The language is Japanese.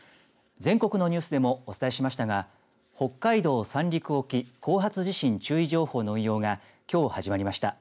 全国のニュースでもお伝えしましたが北海道・三陸沖後発地震注意情報の運用がきょう始まりました。